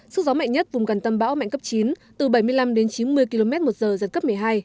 sức gió mạnh nhất vùng gần tâm bão mạnh cấp chín từ bảy mươi năm đến chín mươi km một giờ giật cấp một mươi hai